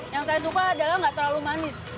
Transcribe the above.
yang saya lupa adalah nggak terlalu manis